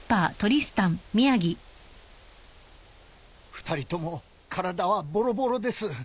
２人とも体はボロボロです。